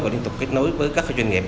và liên tục kết nối với các doanh nghiệp